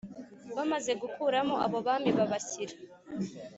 Bamaze gukuramo abo bami babashyira